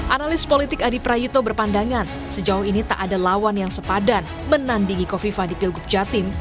analis politik adi prayitno berpandangan sejauh ini tak ada lawan yang sepadan menandingi kofifa di pilgub jatim